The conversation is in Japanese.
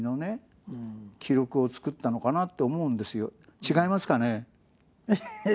違いますかね？